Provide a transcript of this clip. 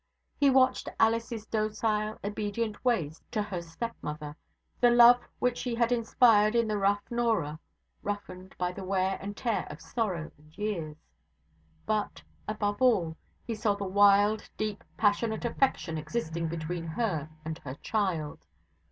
He watched Alice's docile, obedient ways to her stepmother; the love which she had inspired in the rough Norah (roughened by the wear and tear of sorrow and years); but, above all, he saw the wild, deep, passionate affection existing between her and her child.